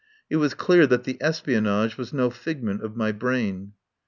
It was clear that the espionage was no figment of my brain.